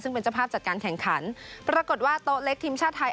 ซึ่งเป็นเจ้าภาพจัดการแข่งขันปรากฏว่าโต๊ะเล็กทีมชาติไทย